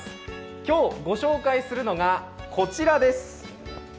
今日ご紹介するのがこちらです。